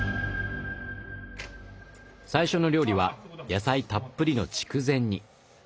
最初の料理は野菜たっぷりの筑前煮。